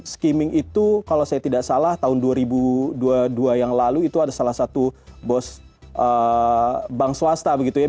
skimming itu kalau saya tidak salah tahun dua ribu dua puluh dua yang lalu itu ada salah satu bos bank swasta begitu ya